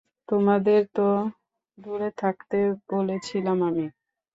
তোমাদের তো দূরে থাকতে বলেছিলাম আমি।